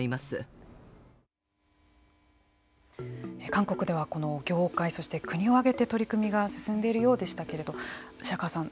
韓国では業界そして国を挙げて取り組みが進んでいるようでしたけれども白河さん